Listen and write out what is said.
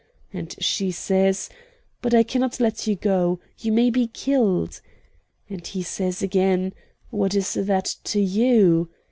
And she says, 'But I cannot let you go; you may be killed.' And he says again, 'What is that to you?'